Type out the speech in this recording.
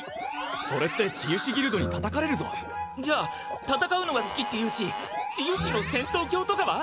それって治癒士ギルドに叩かれるぞ・じゃあ戦うのが好きっていうし治癒士の戦闘狂とかは？